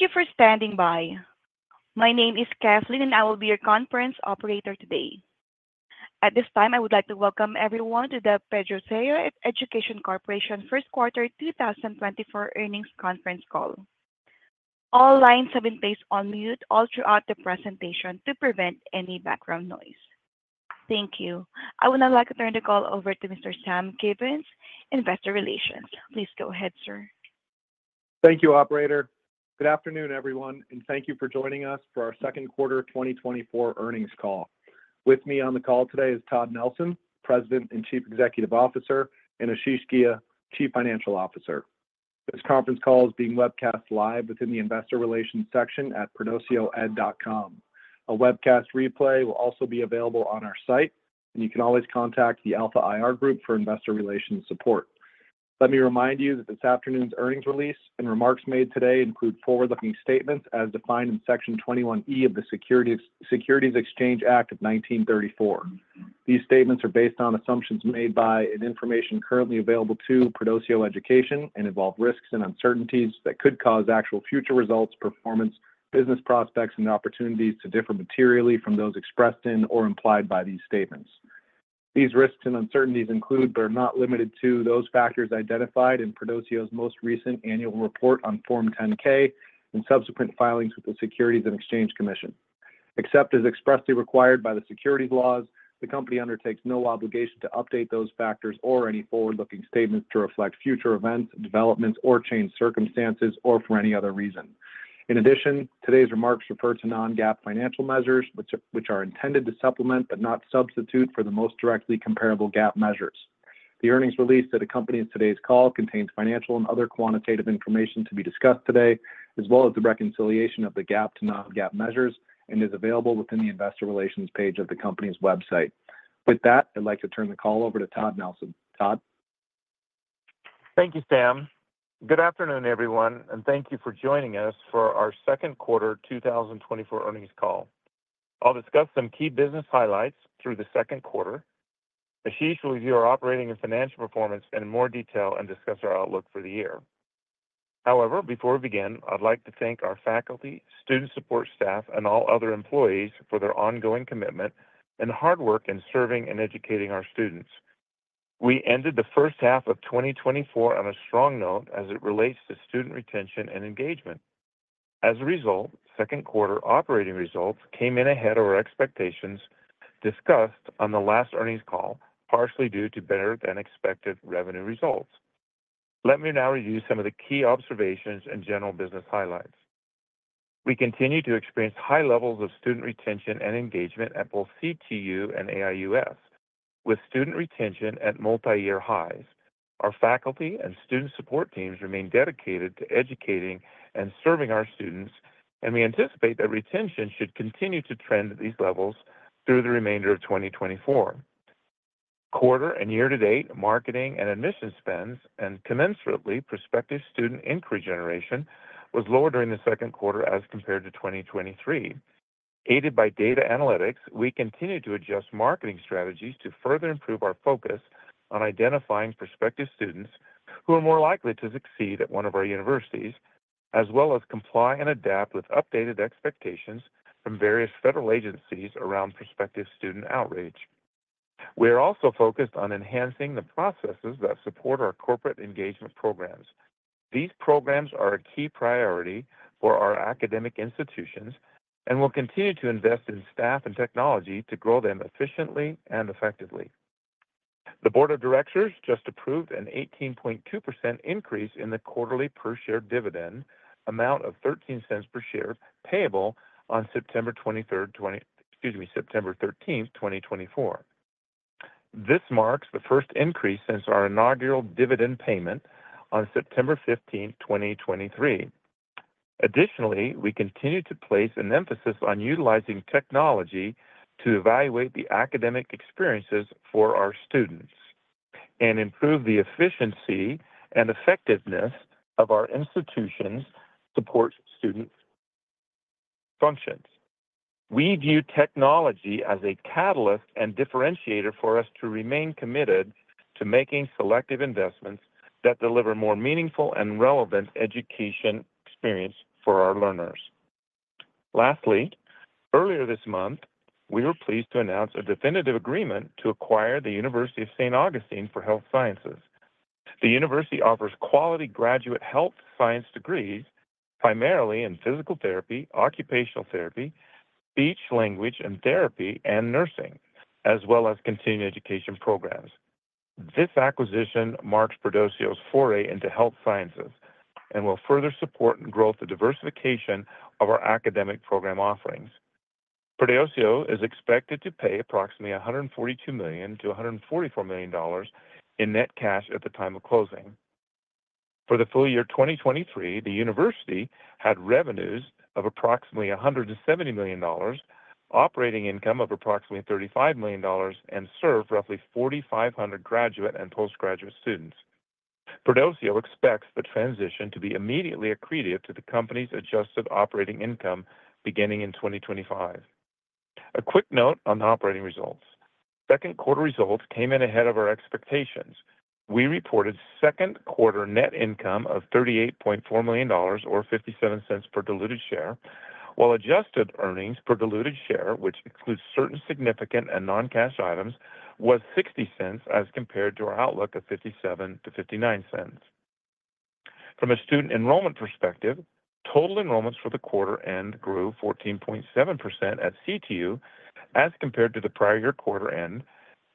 Thank you for standing by. My name is Kathleen, and I will be your conference operator today. At this time, I would like to welcome everyone to the Perdoceo Education Corporation First Quarter 2024 earnings conference call. All lines have been placed on mute all throughout the presentation to prevent any background noise. Thank you. I would now like to turn the call over to Mr. Sam Gibbons, Investor Relations. Please go ahead, sir. Thank you, Operator. Good afternoon, everyone, and thank you for joining us for our Q2 2024 earnings call. With me on the call today is Todd Nelson, President and Chief Executive Officer, and Ashish Ghia, Chief Financial Officer. This conference call is being webcast live within the Investor Relations section at PerdoceoEd.com. A webcast replay will also be available on our site, and you can always contact the Alpha IR Group for investor relations support. Let me remind you that this afternoon's earnings release and remarks made today include forward-looking statements as defined in Section 21E of the Securities Exchange Act of 1934. These statements are based on assumptions made by and information currently available to Perdoceo Education and involve risks and uncertainties that could cause actual future results, performance, business prospects, and opportunities to differ materially from those expressed in or implied by these statements. These risks and uncertainties include, but are not limited to, those factors identified in Perdoceo's most recent annual report on Form 10-K and subsequent filings with the Securities and Exchange Commission. Except as expressly required by the securities laws, the company undertakes no obligation to update those factors or any forward-looking statements to reflect future events, developments, or changed circumstances or for any other reason. In addition, today's remarks refer to non-GAAP financial measures, which are intended to supplement but not substitute for the most directly comparable GAAP measures. The earnings release that accompanies today's call contains financial and other quantitative information to be discussed today, as well as the reconciliation of the GAAP to non-GAAP measures, and is available within the Investor Relations page of the company's website. With that, I'd like to turn the call over to Todd Nelson. Todd Nelson. Thank you, Sam Gibbons. Good afternoon, everyone, and thank you for joining us for our Q2 2024 earnings call. I'll discuss some key business highlights through the Q2. Ashish Ghia will review our operating and financial performance in more detail and discuss our outlook for the year. However, before we begin, I'd like to thank our faculty, student support staff, and all other employees for their ongoing commitment and hard work in serving and educating our students. We ended the first-half of 2024 on a strong note as it relates to student retention and engagement. As a result, Q2 operating results came in ahead of our expectations discussed on the last earnings call, partially due to better-than-expected revenue results. Let me now review some of the key observations and general business highlights. We continue to experience high levels of student retention and engagement at both CTU and AIUS, with student retention at multi-year highs. Our faculty and student support teams remain dedicated to educating and serving our students, and we anticipate that retention should continue to trend at these levels through the remainder of 2024. Quarter and year-to-date marketing and admissions spends, and commensurately, prospective student inquiry generation was lower during the Q2 as compared to 2023. Aided by data analytics, we continue to adjust marketing strategies to further improve our focus on identifying prospective students who are more likely to succeed at one of our universities, as well as comply and adapt with updated expectations from various federal agencies around prospective student outreach. We are also focused on enhancing the processes that support our corporate engagement programs. These programs are a key priority for our academic institutions and will continue to invest in staff and technology to grow them efficiently and effectively. The Board of Directors just approved an 18.2% increase in the quarterly per-share dividend amount of $0.13 per share payable on September 23rd, excuse me, September 13th, 2024. This marks the first increase since our inaugural dividend payment on September 15th, 2023. Additionally, we continue to place an emphasis on utilizing technology to evaluate the academic experiences for our students and improve the efficiency and effectiveness of our institution's support student functions. We view technology as a catalyst and differentiator for us to remain committed to making selective investments that deliver more meaningful and relevant education experience for our learners. Lastly, earlier this month, we were pleased to announce a definitive agreement to acquire the University of St. Augustine for Health Sciences. The university offers quality graduate health science degrees, primarily in physical therapy, occupational therapy, speech-language therapy, and nursing, as well as continuing education programs. This acquisition marks Perdoceo's foray into health sciences and will further support and grow the diversification of our academic program offerings. Perdoceo is expected to pay approximately $142 million-$144 million in net cash at the time of closing. For the full year 2023, the university had revenues of approximately $170 million, operating income of approximately $35 million, and served roughly 4,500 graduate and postgraduate students. Perdoceo expects the transition to be immediately accretive to the company's adjusted operating income beginning in 2025. A quick note on the operating results. Q2 results came in ahead of our expectations. We reported Q2 net income of $38.4 million or $0.57 per diluted share, while adjusted earnings per diluted share, which excludes certain significant and non-cash items, was $0.60 as compared to our outlook of $0.57-$0.59. From a student enrollment perspective, total enrollments for the quarter end grew 14.7% at CTU as compared to the prior year quarter end,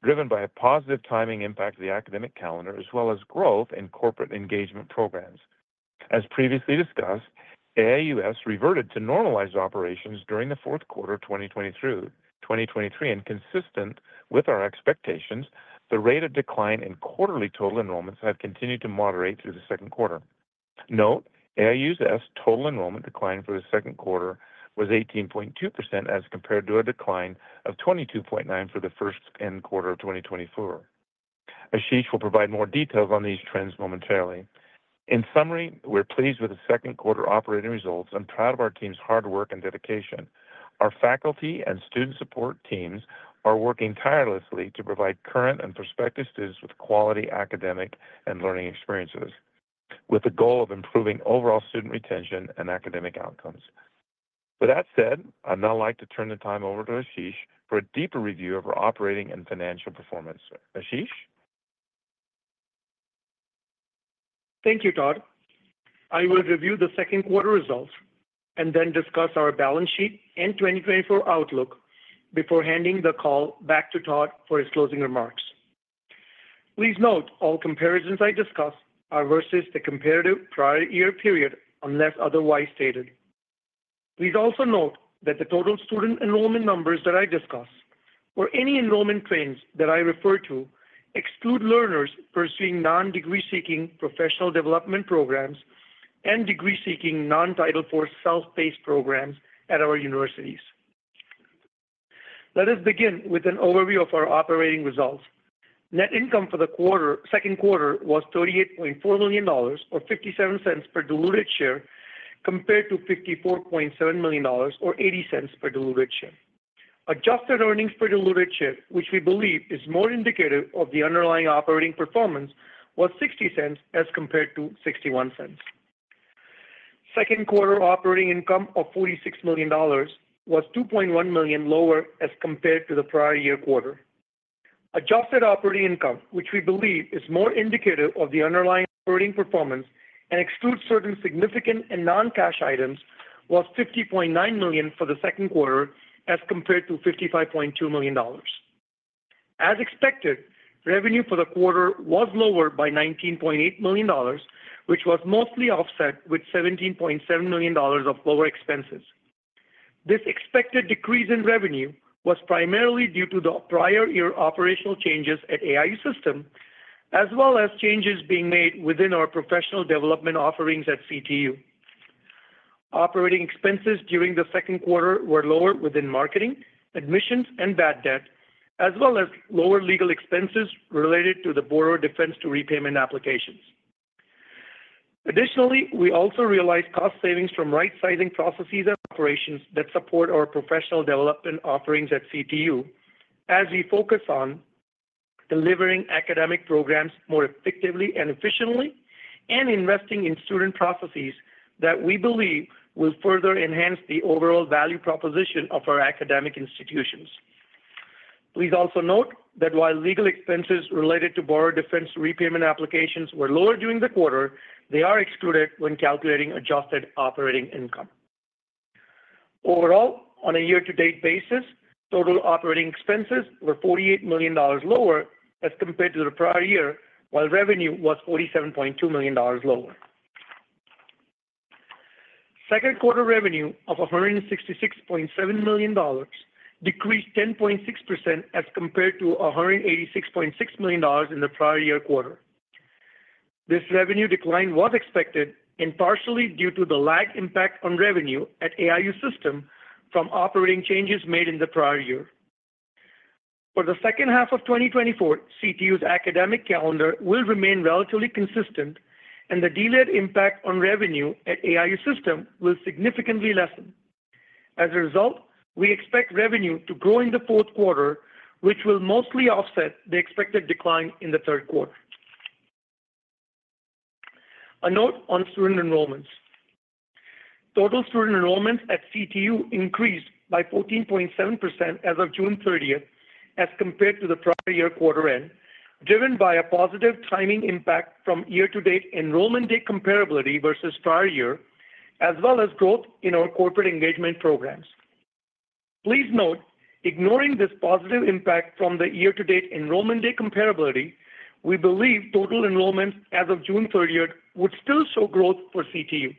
driven by a positive timing impact of the academic calendar, as well as growth in corporate engagement programs. As previously discussed, AIUS reverted to normalized operations during the Q4 2023 and consistent with our expectations, the rate of decline in quarterly total enrollments had continued to moderate through the Q2. Note, AIUS total enrollment decline for the Q2 was 18.2% as compared to a decline of 22.9% for the Q1 of 2024. Ashish Ghia will provide more details on these trends momentarily. In summary, we're pleased with the Q2 operating results and proud of our team's hard work and dedication. Our faculty and student support teams are working tirelessly to provide current and prospective students with quality academic and learning experiences, with the goal of improving overall student retention and academic outcomes. With that said, I'd now like to turn the time over to Ashish Ghia for a deeper review of our operating and financial performance. Ashish Ghia? Thank you, Todd Nelson. I will review the Q2 results and then discuss our balance sheet and 2024 outlook before handing the call back to Todd Nelson for his closing remarks. Please note all comparisons I discuss are versus the comparative prior year period unless otherwise stated. Please also note that the total student enrollment numbers that I discuss or any enrollment trends that I refer to exclude learners pursuing non-degree-seeking professional development programs and degree-seeking non-Title IV self-paced programs at our universities. Let us begin with an overview of our operating results. Net income for the Q2 was $38.4 million or $0.57 per diluted share compared to $54.7 million or $0.80 per diluted share. Adjusted earnings per diluted share, which we believe is more indicative of the underlying operating performance, was $0.60 as compared to $0.61. Q2 operating income of $46 million was $2.1 million lower as compared to the prior-year quarter. Adjusted operating income, which we believe is more indicative of the underlying operating performance and excludes certain significant and non-cash items, was $50.9 million for the Q2 as compared to $55.2 million. As expected, revenue for the quarter was lower by $19.8 million, which was mostly offset with $17.7 million of lower expenses. This expected decrease in revenue was primarily due to the prior-year operational changes at AIU System, as well as changes being made within our professional development offerings at CTU. Operating expenses during the Q2 were lower within marketing, admissions, and bad debt, as well as lower legal expenses related to the Borrower Defense to Repayment applications. Additionally, we also realized cost savings from right-sizing processes and operations that support our professional development offerings at CTU, as we focus on delivering academic programs more effectively and efficiently and investing in student processes that we believe will further enhance the overall value proposition of our academic institutions. Please also note that while legal expenses related to Borrower Defense to Repayment applications were lower during the quarter, they are excluded when calculating adjusted operating income. Overall, on a year-to-date basis, total operating expenses were $48 million lower as compared to the prior year, while revenue was $47.2 million lower. Q2 revenue of $166.7 million decreased 10.6% as compared to $186.6 million in the prior-year-quarter. This revenue decline was expected and partially due to the lagged impact on revenue at AIU System from operating changes made in the prior year. For the second-half of 2024, CTU's academic calendar will remain relatively consistent, and the delayed impact on revenue at AIU System will significantly lessen. As a result, we expect revenue to grow in the Q4, which will mostly offset the expected decline in the Q3. A note on student enrollments. Total student enrollments at CTU increased by 14.7% as of June 30th as compared to the prior year quarter end, driven by a positive timing impact from year-to-date enrollment day comparability versus prior year, as well as growth in our corporate engagement programs. Please note, ignoring this positive impact from the year-to-date enrollment day comparability, we believe total enrollments as of June 30th would still show growth for CTU.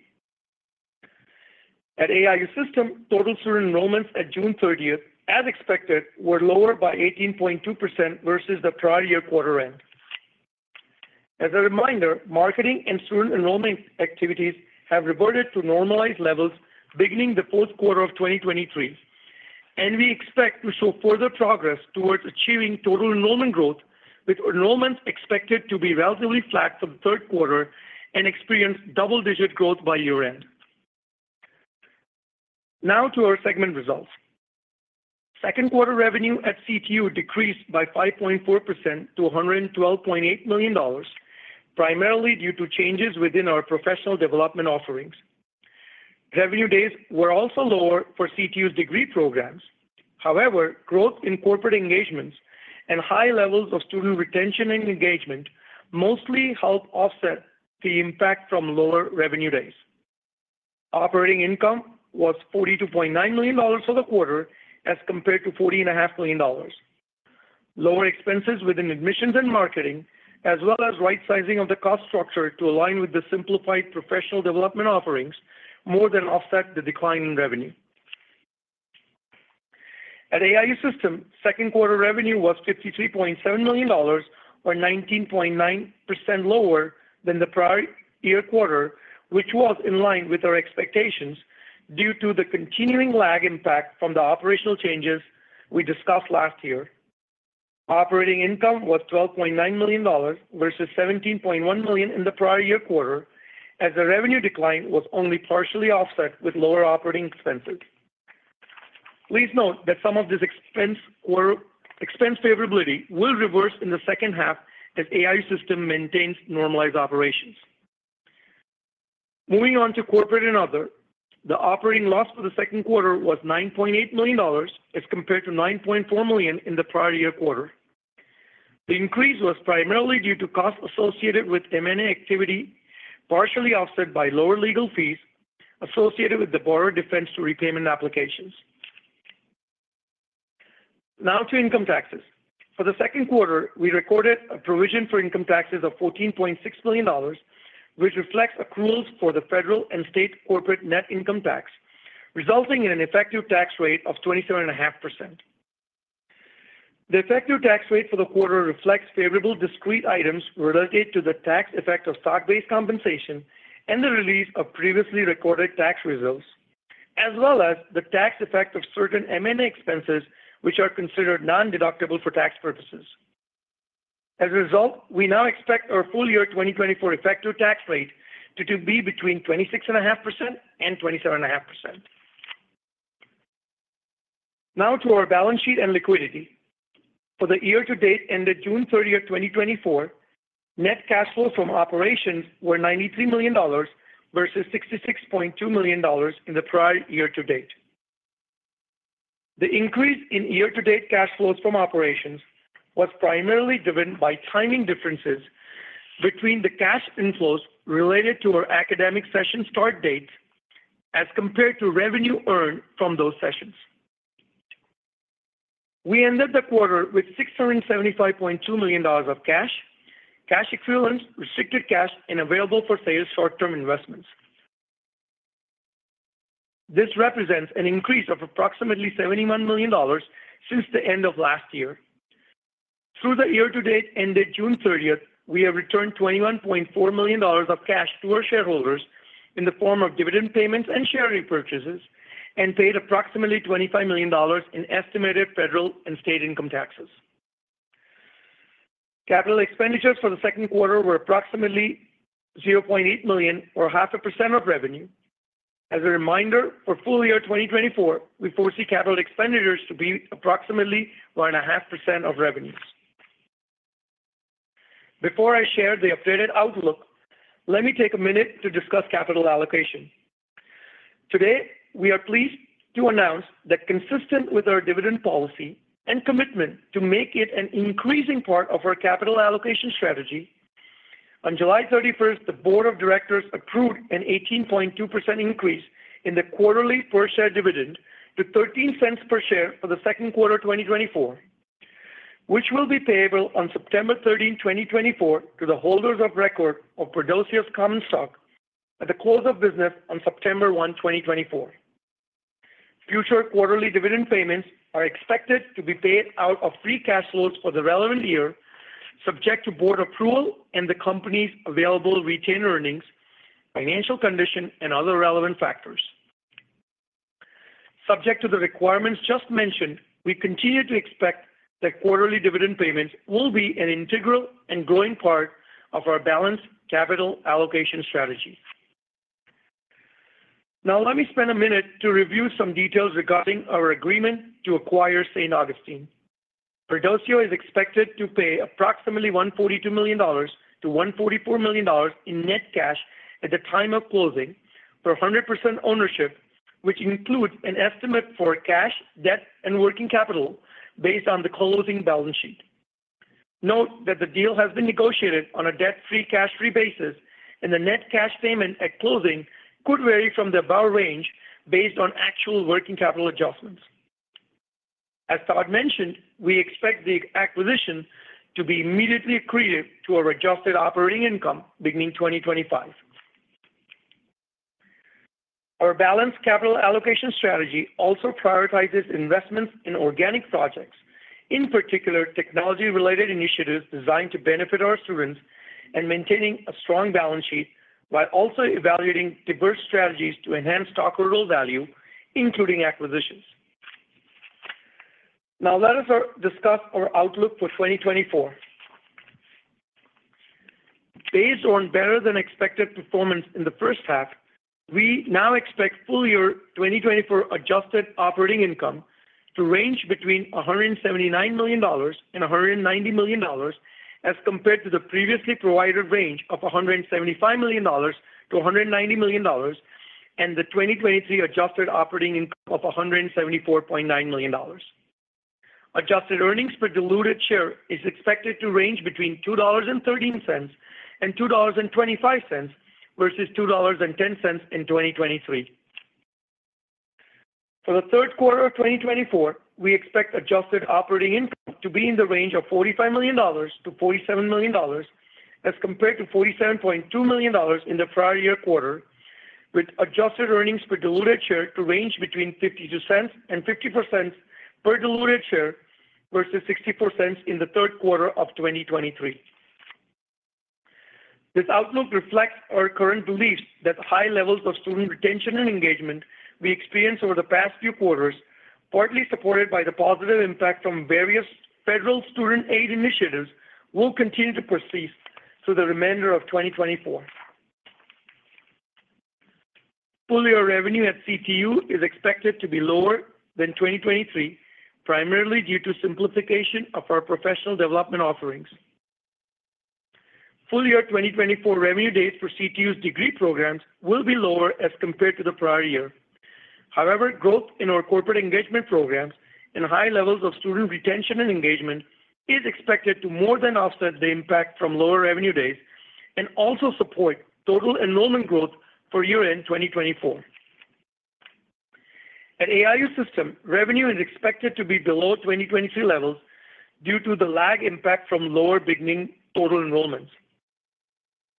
At AIU System, total student enrollments at June 30th, as expected, were lower by 18.2% versus the prior-year-quarter-end. As a reminder, marketing and student enrollment activities have reverted to normalized levels beginning the Q4 of 2023, and we expect to show further progress towards achieving total enrollment growth, with enrollments expected to be relatively flat for the Q3 and experience double-digit growth by year-end. Now to our segment results. Q2 revenue at CTU decreased by 5.4% to $112.8 million, primarily due to changes within our professional development offerings. Revenue days were also lower for CTU's degree programs. However, growth in corporate engagements and high levels of student retention and engagement mostly help offset the impact from lower revenue days. Operating income was $42.9 million for the quarter as compared to $40.5 million. Lower expenses within admissions and marketing, as well as right-sizing of the cost structure to align with the simplified professional development offerings, more than offset the decline in revenue. At AIU System, Q2 revenue was $53.7 million, or 19.9% lower than the prior year quarter, which was in line with our expectations due to the continuing lag impact from the operational changes we discussed last year. Operating income was $12.9 million versus $17.1 million in the prior year quarter, as the revenue decline was only partially offset with lower operating expenses. Please note that some of this expense favorability will reverse in the second-half as AIU System maintains normalized operations. Moving on to corporate and other, the operating loss for the Q2 was $9.8 million as compared to $9.4 million in the prior year quarter. The increase was primarily due to costs associated with M&A activity, partially offset by lower legal fees associated with the Borrower Defense to Repayment applications. Now to income taxes. For the Q2, we recorded a provision for income taxes of $14.6 million, which reflects accruals for the federal and state corporate net income tax, resulting in an effective tax rate of 27.5%. The effective tax rate for the quarter reflects favorable discrete items related to the tax effect of stock-based compensation and the release of previously recorded tax results, as well as the tax effect of certain M&A expenses, which are considered non-deductible for tax purposes. As a result, we now expect our full year 2024 effective tax rate to be between 26.5% and 27.5%. Now to our balance sheet and liquidity. For the year-to-date ended June 30th, 2024, net cash flows from operations were $93 million versus $66.2 million in the prior year-to-date. The increase in year-to-date cash flows from operations was primarily driven by timing differences between the cash inflows related to our academic session start dates as compared to revenue earned from those sessions. We ended the quarter with $675.2 million of cash, cash equivalents, restricted cash, and available-for-sale short-term investments. This represents an increase of approximately $71 million since the end of last year. Through the year-to-date ended June 30th, we have returned $21.4 million of cash to our shareholders in the form of dividend payments and share repurchases and paid approximately $25 million in estimated federal and state income taxes. Capital expenditures for the Q2 were approximately $0.8 million, or 0.5% of revenue. As a reminder, for full year 2024, we foresee capital expenditures to be approximately 1.5% of revenues. Before I share the updated outlook, let me take a minute to discuss capital allocation. Today, we are pleased to announce that consistent with our dividend policy and commitment to make it an increasing part of our capital allocation strategy, on July 31st, the Board of Directors approved an 18.2% increase in the quarterly per-share dividend to $0.13 per share for the Q2 2024, which will be payable on September 13th, 2024, to the holders of record of Perdoceo Common Stock at the close of business on September 1st, 2024. Future quarterly dividend payments are expected to be paid out of free cash flows for the relevant year, subject to board approval and the company's available retained earnings, financial condition, and other relevant factors. Subject to the requirements just mentioned, we continue to expect that quarterly dividend payments will be an integral and growing part of our balanced capital allocation strategy. Now, let me spend a minute to review some details regarding our agreement to acquire St. Augustine. Perdoceo is expected to pay approximately $142 million-$144 million in net cash at the time of closing for 100% ownership, which includes an estimate for cash, debt, and working capital based on the closing balance sheet. Note that the deal has been negotiated on a debt-free/cash-free basis, and the net cash payment at closing could vary from the above range based on actual working capital adjustments. As Todd Nelson mentioned, we expect the acquisition to be immediately accretive to our adjusted operating income beginning 2025. Our balance capital allocation strategy also prioritizes investments in organic projects, in particular technology-related initiatives designed to benefit our students, and maintaining a strong balance sheet while also evaluating diverse strategies to enhance stockholder value, including acquisitions. Now, let us discuss our outlook for 2024. Based on better-than-expected performance in the first-half, we now expect full year 2024 adjusted operating income to range between $179 million and $190 million as compared to the previously provided range of $175 million-$190 million and the 2023 adjusted operating income of $174.9 million. Adjusted earnings per diluted share is expected to range between $2.13 and $2.25 versus $2.10 in 2023. For the Q3 of 2024, we expect adjusted operating income to be in the range of $45 million-$47 million as compared to $47.2 million in the prior-year-quarter, with adjusted earnings per diluted share to range between $0.52 and $0.50 per diluted share versus $0.64 in the Q3 of 2023. This outlook reflects our current beliefs that the high levels of student retention and engagement we experienced over the past few quarters, partly supported by the positive impact from various federal student aid initiatives, will continue to persist through the remainder of 2024. Full year revenue at CTU is expected to be lower than 2023, primarily due to simplification of our professional development offerings. Full year 2024 revenue days for CTU's degree programs will be lower as compared to the prior year. However, growth in our corporate engagement programs and high levels of student retention and engagement is expected to more than offset the impact from lower revenue days and also support total enrollment growth for year-end 2024. At AIU System, revenue is expected to be below 2023 levels due to the lagged impact from lower beginning total enrollments.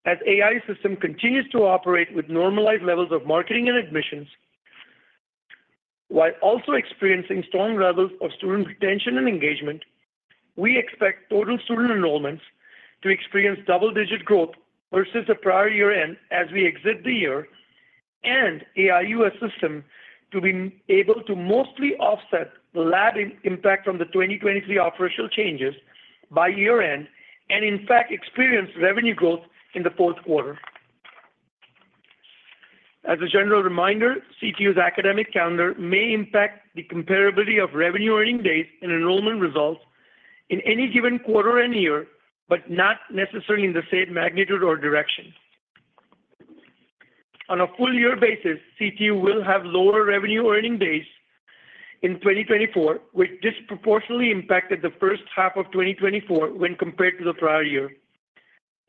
As AIU System continues to operate with normalized levels of marketing and admissions, while also experiencing strong levels of student retention and engagement, we expect total student enrollments to experience double-digit growth versus the prior-year-end as we exit the year, and AIU System to be able to mostly offset the lagged impact from the 2023 operational changes by year-end and, in fact, experience revenue growth in the Q4. As a general reminder, CTU's academic calendar may impact the comparability of revenue earning days and enrollment results in any given quarter and year, but not necessarily in the same magnitude or direction. On a full year basis, CTU will have lower revenue earning days in 2024, which disproportionately impacted the first-half of 2024 when compared to the prior year.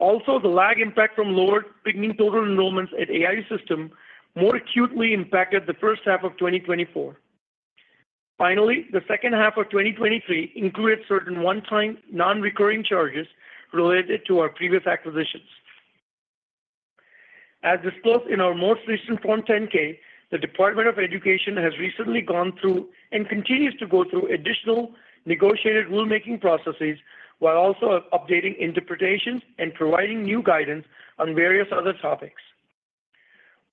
Also, the lagged impact from lower beginning total enrollments at AIU System more acutely impacted the first-half of 2024. Finally, the second-half of 2023 included certain one-time non-recurring charges related to our previous acquisitions. As disclosed in our most recent Form 10-K, the Department of Education has recently gone through and continues to go through additional negotiated rulemaking processes while also updating interpretations and providing new guidance on various other topics.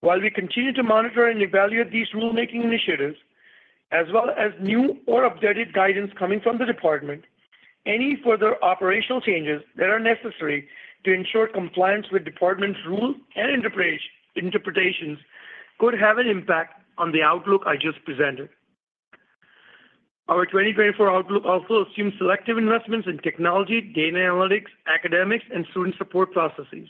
While we continue to monitor and evaluate these rulemaking initiatives, as well as new or updated guidance coming from the Department, any further operational changes that are necessary to ensure compliance with Department's rules and interpretations could have an impact on the outlook I just presented. Our 2024 outlook also assumes selective investments in technology, data analytics, academics, and student support processes.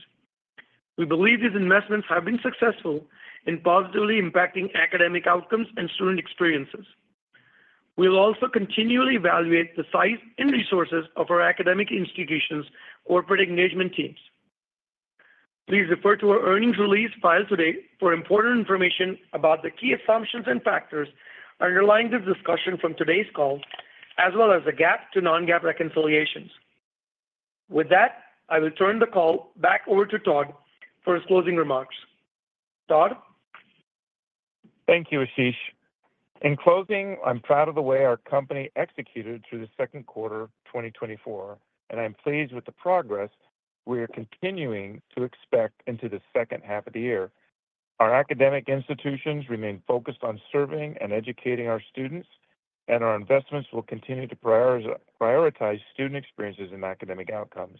We believe these investments have been successful in positively impacting academic outcomes and student experiences. We'll also continually evaluate the size and resources of our academic institutions' corporate engagement teams. Please refer to our earnings release filed today for important information about the key assumptions and factors underlying this discussion from today's call, as well as the GAAP to non-GAAP reconciliations. With that, I will turn the call back over to Todd Nelson for his closing remarks. Todd Nelson? Thank you, Ashish Ghia. In closing, I'm proud of the way our company executed through the Q2 2024, and I'm pleased with the progress we are continuing to expect into the second-half of the year. Our academic institutions remain focused on serving and educating our students, and our investments will continue to prioritize student experiences and academic outcomes.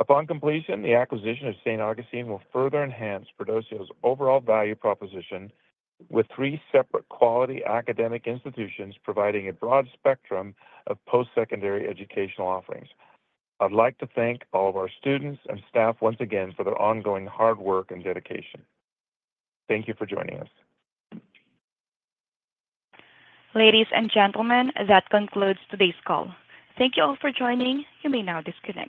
Upon completion, the acquisition of St. Augustine will further enhance Perdoceo's overall value proposition, with three separate quality academic institutions providing a broad spectrum of post-secondary educational offerings. I'd like to thank all of our students and staff once again for their ongoing hard work and dedication. Thank you for joining us. Ladies and gentlemen, that concludes today's call. Thank you all for joining. You may now disconnect.